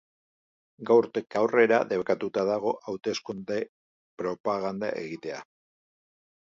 Gaurtik aurrera debekatuta dago hauteskunde-propaganda egitea.